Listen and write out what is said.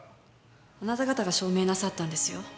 あなた方が証明なさったんですよ。